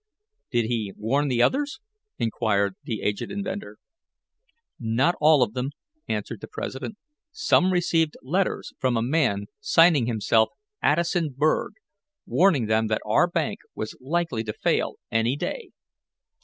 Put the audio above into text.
"Did he warn the others?" inquired the aged inventor. "Not all of them," answered the president. "Some received letters from a man signing himself Addison Berg, warning them that our bank, was likely to fail any day."